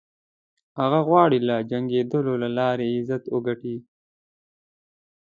هغه غواړي له جنګېدلو له لارې عزت وګټي.